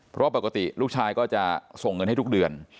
เพราะปกติลูกชายก็จะส่งเงินให้ทุกเดือน